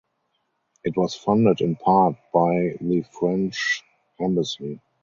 It was funded in part by the French embassy.